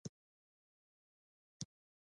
دا د بکټریا د وچیدو او بالاخره مرګ لامل کیږي.